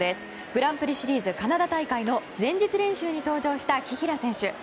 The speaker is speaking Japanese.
グランプリシリーズカナダ大会の前日練習に登場した紀平選手。